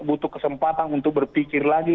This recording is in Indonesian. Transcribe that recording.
butuh kesempatan untuk berpikir lagi